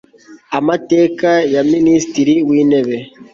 amateka ya minisitiri w intebe